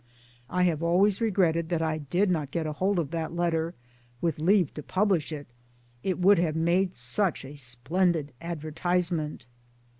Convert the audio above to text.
" I have always regretted that I did not get hold of that letter, with leave to publish it. It would have made such a splendid advertisement.